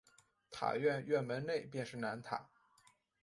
塔院院门内便是南塔。